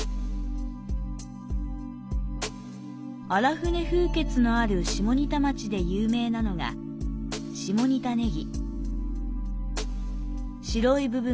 荒船風穴のある下仁田町で有名なのが、下仁田ネギ。